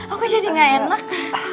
aku jadi gak enak